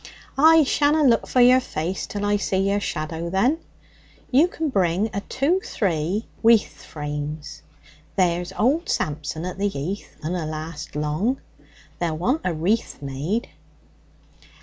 'I shanna look for your face till I see your shadow, then. You can bring a tuthree wreath frames. There's old Samson at the Yeath unna last long; they'll want a wreath made.'